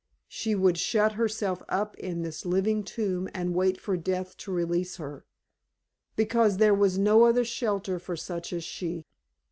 She would shut herself up in this living tomb and wait for death to release her, because there was no other shelter for such as she.